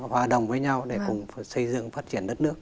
hòa đồng với nhau để cùng xây dựng phát triển đất nước